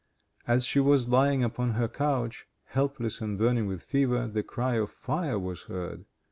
As she was lying upon her couch, helpless and burning with fever, the cry of fire was heard.